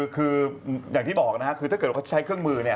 คืออย่างที่บอกนะฮะคือถ้าเกิดเขาใช้เครื่องมือเนี่ย